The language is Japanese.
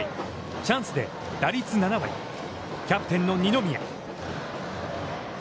チャンスで打率７割、キャプテンの二宮。